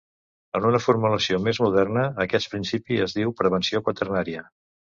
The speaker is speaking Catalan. En una formulació més moderna, aquest principi es diu prevenció quaternària.